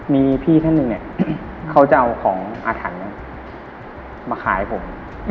มีพี่ท่านหนึ่งเนี่ยเขาจะเอาของอาถรรพ์มาขายผม